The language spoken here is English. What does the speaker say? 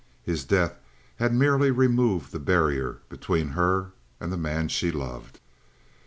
His death had merely removed the barrier between her and the man she loved.